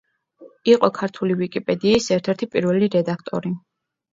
იყო ქართული ვიკიპედიის ერთ-ერთი პირველი რედაქტორი.